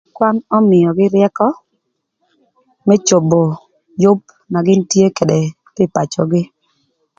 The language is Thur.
Kwan ömïögï ryëkö më cobo yüb na gïn tye ködë ï pacögï.